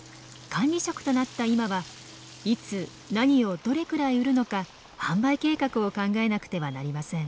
管理職となった今はいつ何をどれくらい売るのか販売計画を考えなくてはなりません。